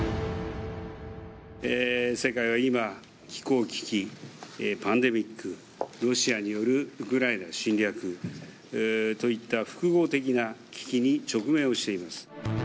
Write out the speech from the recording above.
世界は今、気候危機、パンデミック、ロシアによるウクライナ侵略といった複合的な危機に直面をしています。